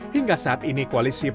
hingga saat ini koalisi yang diperoleh